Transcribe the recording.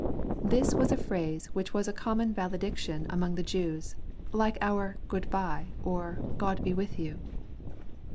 "] This was a phrase which was a common vale diction among the Jews, like our " goodbye" or "Gk)d be with you."